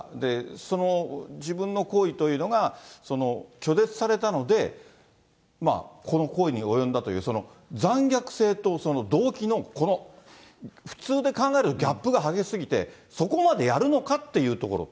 その自分の好意というのが拒絶されたので、この行為に及んだという、残虐性とその動機のこの、普通で考えるギャップが激しすぎて、そこまでやるのかっていうところって。